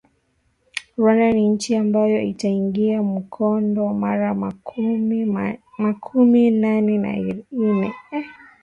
Rwanda ni inchi ambayo itaingia mu kongo mara makumi nane na ine